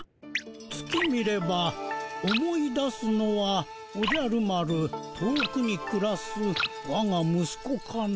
「月見れば思い出すのはおじゃる丸遠くにくらすわが息子かな」。